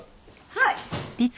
はい？